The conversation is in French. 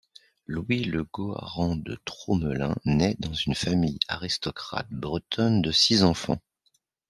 Louis Le Goarant de Tromelin nait dans une famille aristocratique bretonne de six enfants.